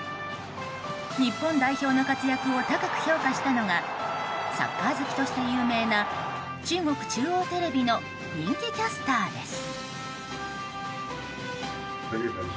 日本代表の活躍を高く評価したのがサッカー好きとして有名な中国中央テレビの人気キャスターです。